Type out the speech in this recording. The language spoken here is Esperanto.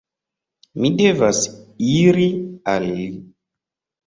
"Mi devas iri al li!"